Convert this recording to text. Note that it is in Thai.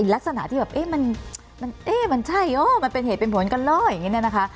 ลักษณะที่แบบมันใช่มันเป็นเหตุเป็นผลกันเลยอย่างนี้นะคะ